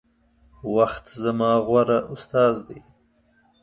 وخت زما غوره استاذ دے